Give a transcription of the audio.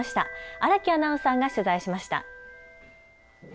荒木アナウンサーが取材しました。